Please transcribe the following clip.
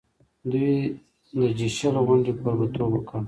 دوی د جي شل غونډې کوربه توب وکړ.